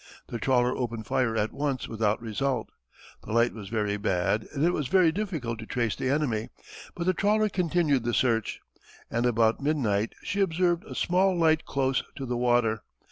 The trawler opened fire at once without result. The light was very bad and it was very difficult to trace the enemy, but the trawler continued the search, and about midnight she observed a small light close to the water.